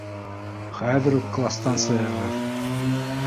— Хәҙер үк кластан сығығыҙ!